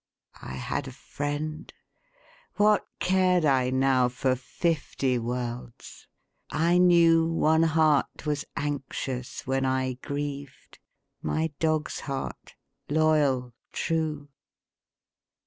I had a friend; what cared I now For fifty worlds? I knew One heart was anxious when I grieved My dog's heart, loyal, true.